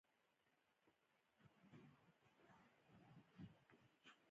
ازادي راډیو د عدالت په اړه د روغتیایي اغېزو خبره کړې.